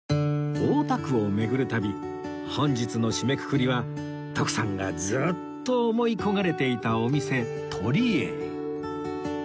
大田区を巡る旅本日の締めくくりは徳さんがずっと思い焦がれていたお店鳥